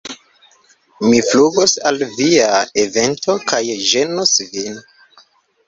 Mi flugos al via evento kaj ĝenos vin!